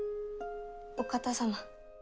お方様。